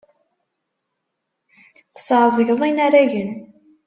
Tesɛeẓgeḍ inaragen.